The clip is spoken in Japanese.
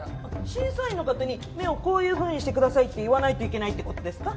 審査員の方に目をこういうふうにしてくださいって言わないといけないって事ですか？